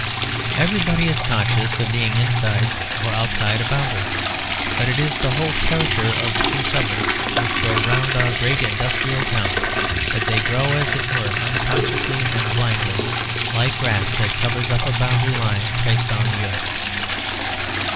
Everybody is conscious of being inside or outside a boundary; but it is the whole character of the true suburbs which grow round our great industrial towns that they grow, as it were, unconsciously and blindly, like grass that covers up a boundary line traced on the earth.